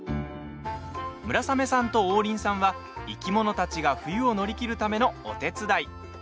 村雨さんと王林さんは生き物たちが冬を乗り切るためのお手伝い。